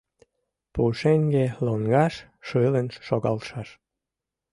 Пушеҥге лоҥгаш шылын шогалшаш.